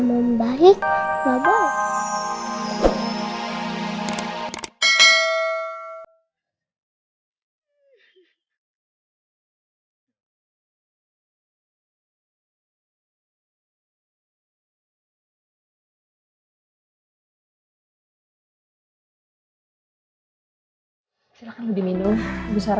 mama bersihin ya